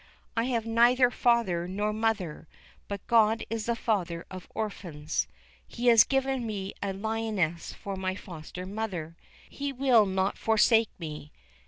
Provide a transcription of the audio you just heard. I have neither father nor mother, but God is the Father of orphans; He has given me a lioness for my foster mother; He will not forsake me."